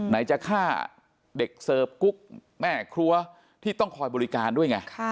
ไหนจะฆ่าเด็กเสิร์ฟกุ๊กแม่ครัวที่ต้องคอยบริการด้วยไง